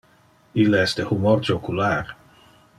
Ille es de humor jocular.